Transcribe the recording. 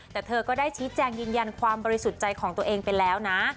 แต่เธอก็ได้ชี้แจงยืนยันความบริสุทธิ์ใจของตัวเองไปแล้วนะ